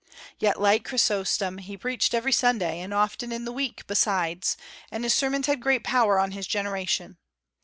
Yet, like Chrysostom, he preached every Sunday, and often in the week besides, and his sermons had great power on his generation.